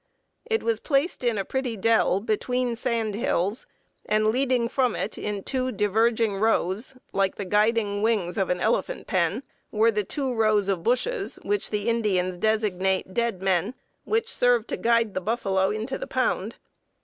It was placed in a pretty dell between sand hills, and leading from it in two diverging rows (like the guiding wings of an elephant pen) were the two rows of bushes which the Indians designate "dead men," which serve to guide the buffalo into the pound.